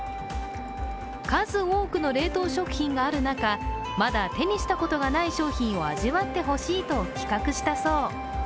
数多くの冷凍食品がある中まだ手にしたことがない商品を味わってほしいと企画したそう。